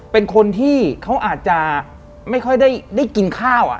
เป็นคนที่เขาอาจจะไม่ค่อยได้กินข้าว